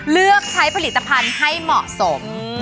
เลือกใช้ผลิตภัณฑ์ให้เหมาะสม